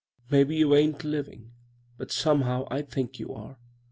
Maybe you aii but, somehow, I think you are.